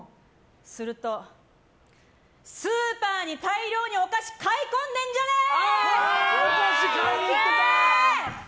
すると、スーパーに大量にお菓子買い込んじゃねえー！